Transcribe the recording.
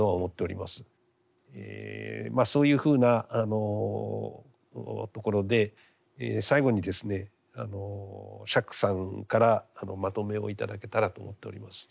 まあそういうふうなところで最後にですね釈さんからまとめを頂けたらと思っております。